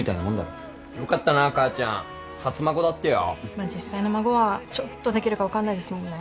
まあ実際の孫はちょっとできるか分かんないですもんね。